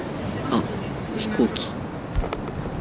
あっ飛行機。